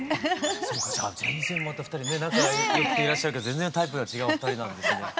そうかじゃあ全然また２人ね仲良くていらっしゃるけど全然タイプが違うお二人なんですね。